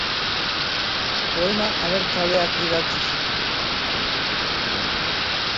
Poema abertzaleak idatzi zituen, batez ere.